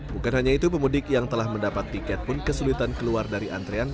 bukan hanya itu pemudik yang telah mendapat tiket pun kesulitan keluar dari antrean